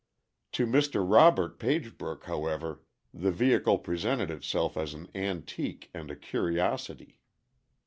To Mr. Robert Pagebrook, however, the vehicle presented itself as an antique and a curiosity.